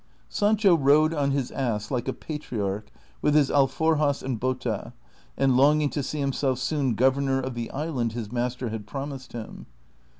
Sancho rode on his ass like a patriarch with his alforjas and bota, and longing to see himself soon governor of the island his master had promised him.